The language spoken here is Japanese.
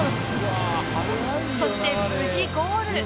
そして、無事ゴール。